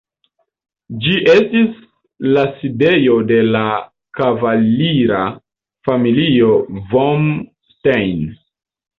Ĝi estis la sidejo de la kavalira familio vom Stein.